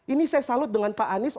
ini saya salut dengan pak anies